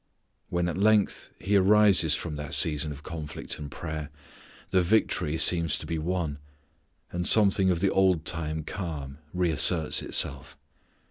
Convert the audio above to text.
When at length He arises from that season of conflict and prayer, the victory seems to be won, and something of the old time calm reasserts itself.